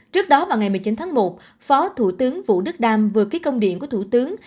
trước đó vào ngày một mươi chín tháng một phó thủ tướng vũ đức đam vừa ký công điện của thủ tướng